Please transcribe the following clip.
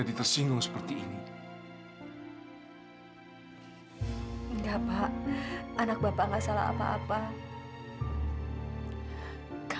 apa yang kamu sudah lakukan kamu harus sadar nak